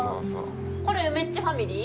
これ梅っちファミリー？